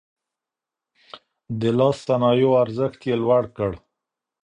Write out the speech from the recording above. د لاس صنايعو ارزښت يې لوړ کړ.